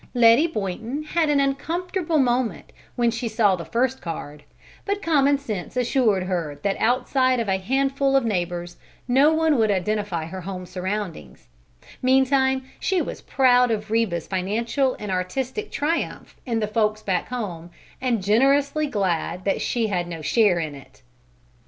Letty Boynton had an uncomfortable moment when she saw the first card, but common sense assured her that outside of a handful of neighbors no one would identify her home surroundings; meantime she was proud of Reba's financial and artistic triumph in "The Folks Back Home" and generously glad that she had no share in it.